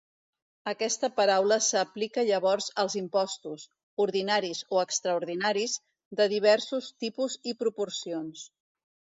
Aquesta paraula s'aplica llavors als impostos, ordinaris o extraordinaris, de diversos tipus i proporcions.